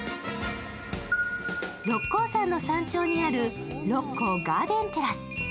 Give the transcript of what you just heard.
六甲山の山頂にある六甲ガーデンテラス。